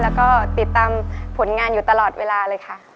แล้วก็ติดตามผลงานอยู่ตลอดเวลาเลยค่ะ